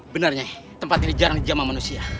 benar nyai tempat ini jarang dijamah manusia